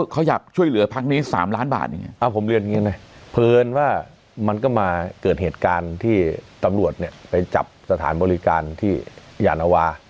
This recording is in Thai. เขาอยากช่วยเหลือพักนี้๓ล้านบาทอย่างนี้ผมเรียนอย่างนี้นะเพลินว่ามันก็มาเกิดเหตุการณ์ที่ตำรวจเนี่ยไปจับสถานบริการที่ยานวา